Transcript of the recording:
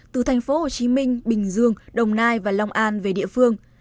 từ thành phố hồ chí minh bình dương đồng nai và long an về địa phương